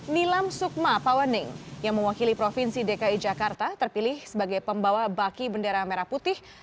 nilam sukma pawaneng yang mewakili provinsi dki jakarta terpilih sebagai pembawa baki bendera merah putih